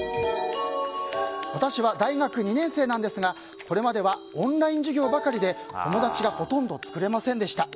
私は大学２年生なんですがこれまではオンライン授業ばかりで友達がほとんど作れませんでした。